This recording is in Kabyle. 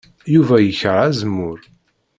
Yuba yekṛeh azemmur.